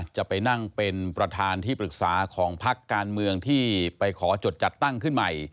จะไปนั่งเป็นประธานที่ปรึกษาของพักการเมืองที่ไปขอจดจัดตั้งขึ้นใหม่